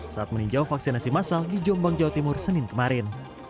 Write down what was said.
saat meninjau vaksinasi masal di jombang jawa timur senin kemarin